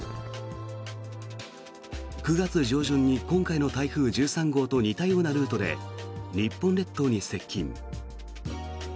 ９月上旬に今回の台風１３号と似たようなルートで日本列島に接近。